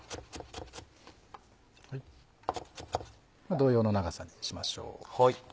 同様の長さにしましょう。